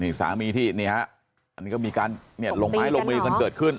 นี่สามีที่มาโรงไม้โรงนี้กันเกิดขึ้น